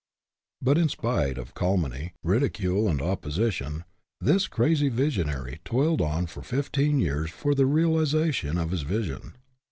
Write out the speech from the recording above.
But, in spite of calumny, ridicule, and opposition, this " crazy visionary " toiled on for fifteen years for the realization of his vision.